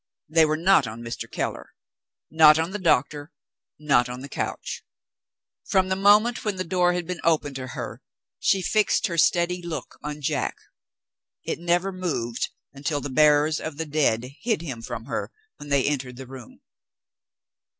They were not on Mr. Keller; not on the doctor; not on the couch. From the moment when the door had been opened to her, she fixed her steady look on Jack. It never moved until the bearers of the dead hid him from her when they entered the room.